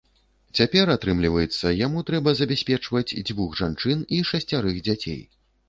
Цяпер, атрымліваецца, яму трэба забяспечваць дзвюх жанчын і шасцярых дзяцей.